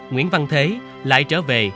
nguyễn văn thế lại trở về